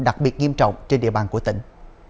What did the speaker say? đặc biệt nghiêm trọng trên địa bàn của tỉnh